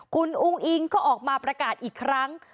คุณอุ้งอิงก็ออกมาประกาศอีกครั้ง